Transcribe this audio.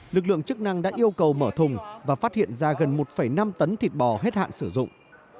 lực lượng chức năng đã yêu cầu mở thùng và phát hiện ra gần một năm tấn thịt bò hết hạn sử dụng